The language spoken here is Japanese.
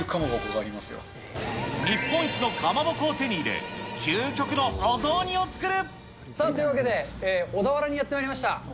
日本一のかまぼこを手に入れ、というわけで、小田原にやってまいりました。